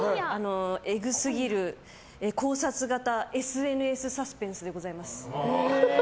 えぐすぎる考察型ＳＮＳサスペンスでございます。